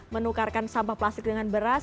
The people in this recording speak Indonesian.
menukarkan sampah plastik dengan beras